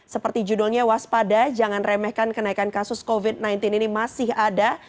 seperti judulnya waspada jangan remehkan kenaikan kasus covid sembilan belas ini masih ada